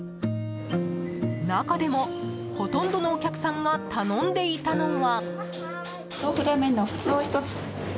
中でも、ほとんどのお客さんが頼んでいたのは。